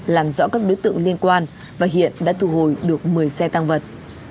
làm rõ các đối tượng liên quan và hiện đã thu hồi được một mươi xe tăng vật